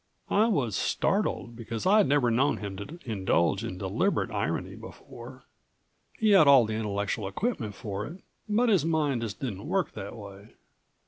I was startled, because I'd never known him to indulge in deliberate irony before. He had all the intellectual equipment for it, but his mind just didn't work that way.